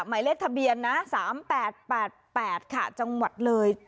หมายเลขทะเบียนนะสามแปดแปดแปดค่ะจังหวัดเลย